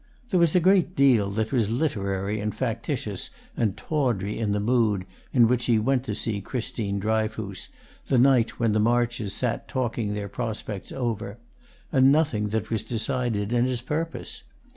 There was a great deal that was literary and factitious and tawdry in the mood in which he went to see Christine Dryfoos, the night when the Marches sat talking their prospects over; and nothing that was decided in his purpose.